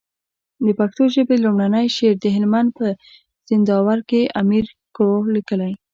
د پښتو ژبي لومړنی شعر د هلمند په زينداور کي امير کروړ ليکلی